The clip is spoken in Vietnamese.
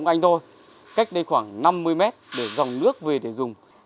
gia đình tôi phải lấy từ trên nhà ông anh tôi cách đây khoảng năm mươi mét để dòng nước về để dùng